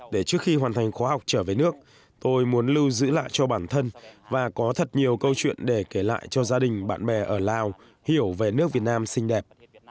để trước khi hoàn thành khóa học trở về nước tôi muốn lưu giữ lại cho bản thân và có thật nhiều câu chuyện để kể lại cho gia đình bạn bè ở lào hiểu về nước việt nam xinh đẹp